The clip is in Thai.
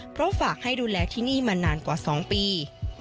เพราะฝากให้ดูแลที่นี่มานานกว่า๒ปี